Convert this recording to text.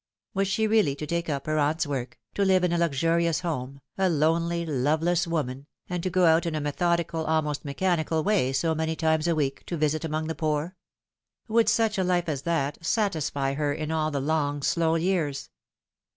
Was she really to take up her aunt's work, to live in a luxurious home, a lonely loveless woman, and to go out in a As the Sands Rtm ftown. 305 methodical, almost mechanical way so many times a week, to visit among the poor ? Would such a life as that satisfy her in all the long slow years